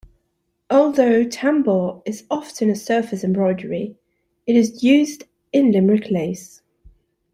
Although tambour is often a surface embroidery, it is used in Limerick lace.